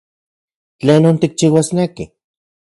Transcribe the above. ¿Tlenon tikchiuasneki?